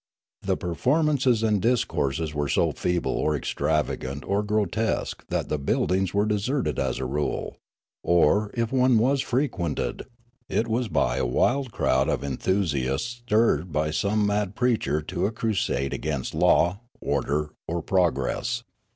The performances and discourses were so feeble or extravagant or grotesque that the buildings were deserted as a rule, or, if one was frequented, it was by a wild crowd of enthusiasts stirred by some mad preacher to a crusade against law, order, or ^7^ Riallaro progress.